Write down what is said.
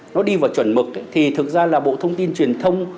nó đi vào chuẩn mực thì thực ra là bộ thông tin truyền thông